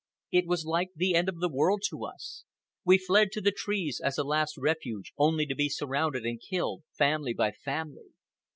It was like the end of the world to us. We fled to the trees as a last refuge, only to be surrounded and killed, family by family.